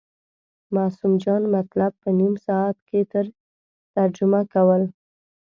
معصوم جان مطلب په نیم ساعت کې ترجمه کول.